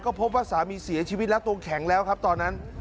ก็พบว่าสามีเสียชีวิตแล้วตัวแข็งแล้วครับตอนนั้น